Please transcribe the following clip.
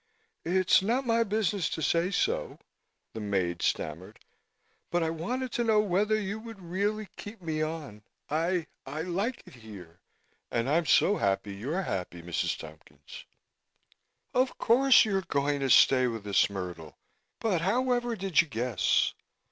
"It's not my business to say so," the maid stammered, "but I wanted to know whether you would really keep me on. I I like it here and I'm so glad you're happy, Mrs. Tompkins." "Of course, you're going to stay with us, Myrtle, but however did you guess?"